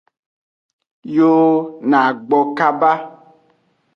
Yo na gbo kaba.